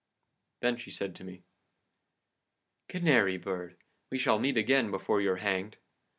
Then she said to me: "'Canary bird, we shall meet again before you're hanged.